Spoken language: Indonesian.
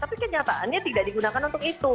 tapi kenyataannya tidak digunakan untuk itu